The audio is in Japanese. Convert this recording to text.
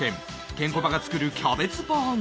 ケンコバが作るキャベツバーン！！